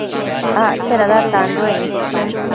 Acte dada tanduec nidshu